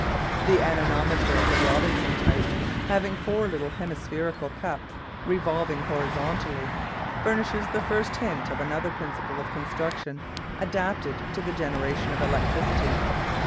The anemometer of the "Robinson" type, having four little hemispherical cups revolving horizontally, furnishes the first hint of another principle of construction adapted to the generation of electricity.